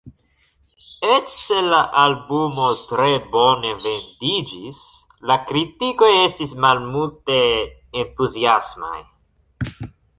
Eĉ se la albumo tre bone vendiĝis, la kritikoj estis malmulte entuziasmaj.